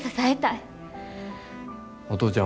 お父ちゃん